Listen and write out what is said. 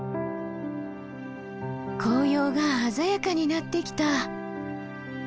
紅葉が鮮やかになってきた。